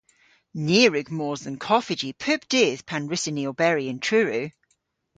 Ni a wrug mos dhe'n koffiji pub dydh pan wrussyn ni oberi yn Truru.